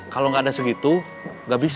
kalau gak ada segitu gak bisa